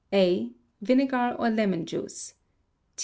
A. Vinegar or lemon juice.